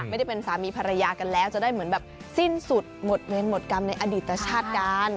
ไม่ได้เป็นสามีภรรยากันแล้วจะได้เหมือนแบบสิ้นสุดหมดเวรหมดกรรมในอดีตชาติการ